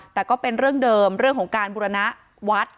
แต่ก็เป็นเรื่องเดิมเรื่องของการบุรณวัด